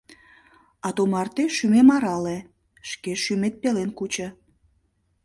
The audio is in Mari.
А тумарте шӱмем арале, шке шӱмет пелен кучо.